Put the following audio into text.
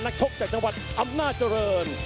ชกจากจังหวัดอำนาจริง